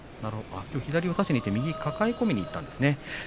左を差して右を抱え込みにいったんですね。